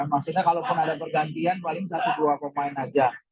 maksudnya kalaupun ada pergantian paling satu dua pemain saja